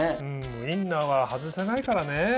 ウインナーは外せないからね。